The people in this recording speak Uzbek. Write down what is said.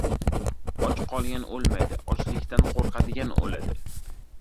• Och qolgan o‘lmaydi, ochlikdan qo‘rqadigan o‘ladi.